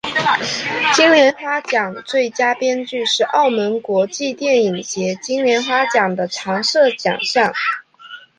金莲花奖最佳编剧是澳门国际电影节金莲花奖的常设奖项。